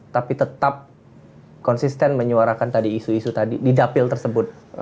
tapi tetap konsisten menyuarakan tadi isu isu tadi di dapil tersebut